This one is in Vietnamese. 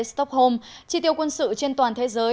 stockholm chi tiêu quân sự trên toàn thế giới